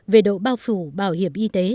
về độ bao phủ bảo hiểm y tế